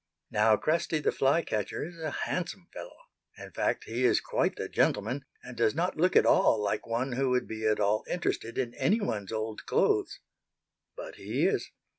Now Cresty the Fly catcher is a handsome fellow. In fact he is quite the gentleman, and does not look at all like one who would be at all interested in any one's old clothes. But he is.